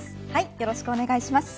よろしくお願いします。